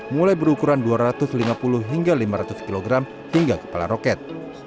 mulai berukuran dua ratus lima puluh hingga lima ratus kg hingga kepala roket